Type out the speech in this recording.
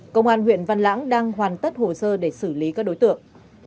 công an huyện văn lãng đang hoàn tất hồ sơ để xử lý các đối tượng